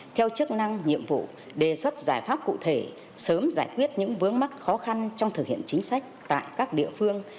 theo chức năng nhiệm vụ đề xuất giải pháp cụ thể sớm giải quyết những vướng mắc khó khăn trong thực hiện chính sách tại các địa phương